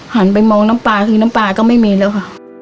หันไปมองน้ำปลาคือน้ำปลาก็ไม่มีแล้วค่ะ